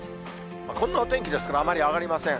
こんなお天気ですから、あまり上がりません。